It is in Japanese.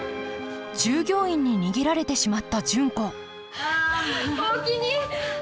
従業員に逃げられてしまった純子おおきに！